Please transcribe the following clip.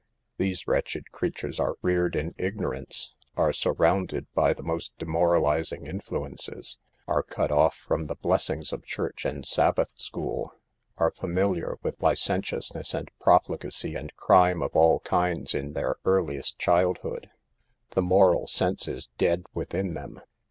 These wretched creatures are reared in ignorance; are surrounded by the most demoralizing influ ences ; are cut off from the blessings of church and Sabbath school ; are familiar with licen tiousness and profligacy and crime of all kinds in their earliest childhood. The moral sense is dead within them.